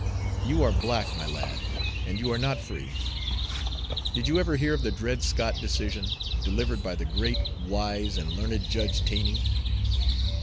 You are black, my lad, and you are not free. Did you ever hear of the Dred Scott decision, delivered by the great, wise, and learned Judge Taney?"